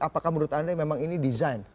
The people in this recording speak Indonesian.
apakah menurut anda memang ini desain